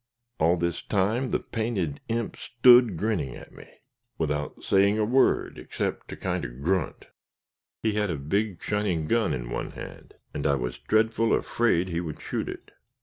All this time the painted imp stood grinning at me, without saying a word, except to kinder grunt. He had a big shining gun in one hand, and I was dreadful afraid he would shoot it.